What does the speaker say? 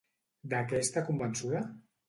De què està convençuda?